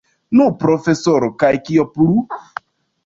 Nu, profesoro, kaj kio plu?